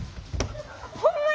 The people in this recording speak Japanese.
ほんまや！